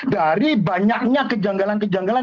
dari banyaknya kejanggalan kejanggalan